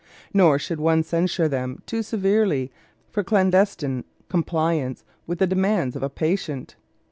Nor should one censure them too severely for clandestine compliance with the demands of a patient.